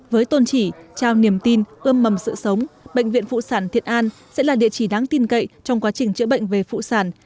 với tôn chỉ trao niềm tin ươm mầm sự sống bệnh viện phụ sản thiện an sẽ là địa chỉ đáng tin cậy trong quá trình chữa bệnh về phụ sản